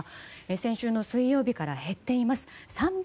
先週の水曜日から減っています。